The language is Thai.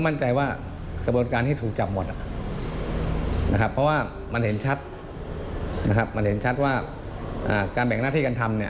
นี่ที่มาประจกกันนี่